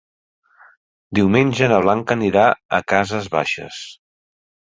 Diumenge na Blanca anirà a Cases Baixes.